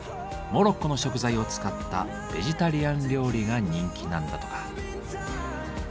モロッコの食材を使ったベジタリアン料理が人気なんだとか。